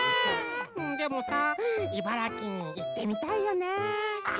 でもさ茨城にいってみたいよね。